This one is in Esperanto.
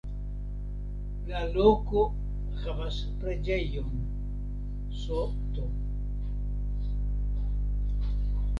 La loko havas preĝejon „St.